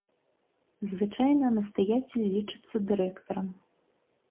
Звычайна настаяцель лічыцца дырэктарам.